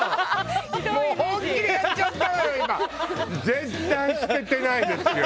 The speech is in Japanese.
絶対捨ててないですよ。